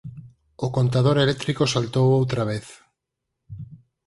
O contador eléctrico saltou outra vez.